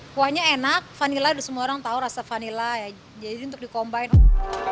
kuahnya enak semua orang tahu rasa vanila jadi untuk dikombinasi